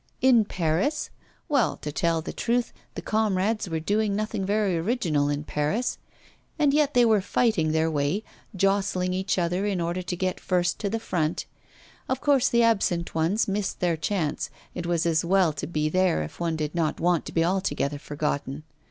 In Paris? Well, to tell the truth, the comrades were doing nothing very original in Paris. And yet they were fighting their way, jostling each other in order to get first to the front. Of course, the absent ones missed their chance; it was as well to be there if one did not want to be altogether forgotten.